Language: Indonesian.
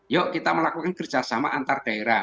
yuk kita melakukan kerjasama antar daerah